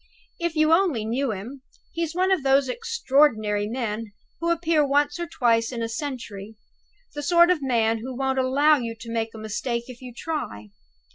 If you only knew him! He's one of those extraordinary men who appear once or twice in a century the sort of man who won't allow you to make a mistake if you try.